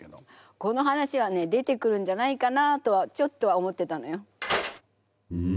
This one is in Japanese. この話はね出てくるんじゃないかなとはちょっとは思ってたのよ。